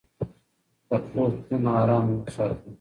د خوب خونه ارامه وساتئ.